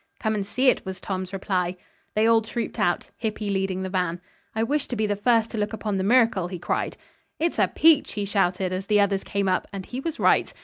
"Come and see it," was Tom's reply. They all trooped out, Hippy leading the van. "I wish to be the first to look upon the miracle," he cried. "It's a peach," he shouted, as the others came up, and he was right.